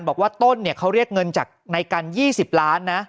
บอกว่าต้นเนี่ยเขาเรียกเงินจากในกัน๒๐ล้านนะ